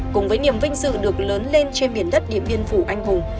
cùng với niềm vinh dự được lớn lên trên biển đất điện biên phủ anh hùng